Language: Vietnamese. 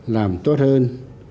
làm tốt hơn